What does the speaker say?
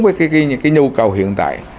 với những nhu cầu hiện tại